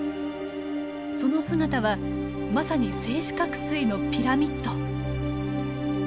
その姿はまさに正四角錐のピラミッド。